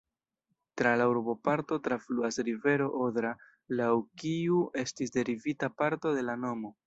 Tra la urboparto trafluas rivero Odra, laŭ kiu estis derivita parto de la nomo.